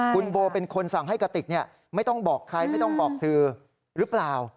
คุณโบเป็นคนสั่งให้กระติกไม่ต้องบอกใครไม่ต้องบอกสื่อหรือเปล่า